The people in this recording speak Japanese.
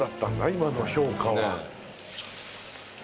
今の評価は。